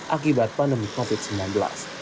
akibat pandemi covid sembilan belas